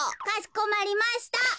「かしこまりました。